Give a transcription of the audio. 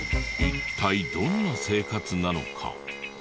一体どんな生活なのか？